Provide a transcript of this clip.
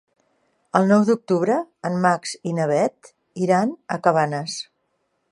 El nou d'octubre en Max i na Bet iran a Cabanes.